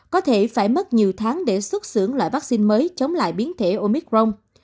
có thể phải mất nhiều tháng để xuất xưởng loại vaccine mới chống lại biến thể omicron